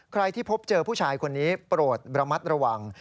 ใครที่พบเจอผู้ชายคนนี้โปรดระมัดระวัง